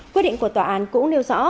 quyết định của tòa án cũng nêu rõ